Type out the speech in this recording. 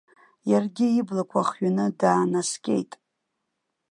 Иаргьы иблақәа хҩаны даанаскьеит.